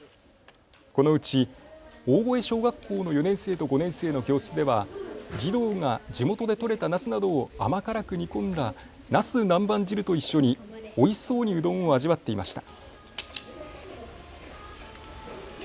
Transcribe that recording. このうち大越小学校の４年生と５年生の教室では児童が地元で採れたなすなどを甘辛く煮込んだなす南蛮汁と一緒においしそうにうどんを味わっていました。